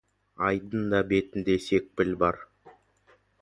Айдың да бетінде секпіл бар.